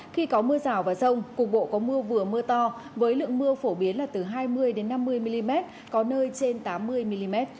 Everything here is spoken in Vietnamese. khi có mưa rào và rông cục bộ có mưa vừa mưa to với lượng mưa phổ biến là từ hai mươi năm mươi mm có nơi trên tám mươi mm